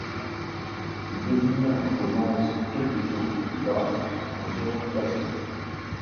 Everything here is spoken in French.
Le Brésilien renonce quelques tours plus tard, moteur cassé.